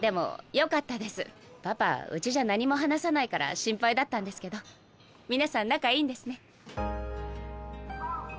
パパうちじゃ何も話さないから心配だったんですけど皆さん仲いいんですね。